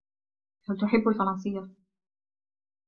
هل تحب الفرنسية؟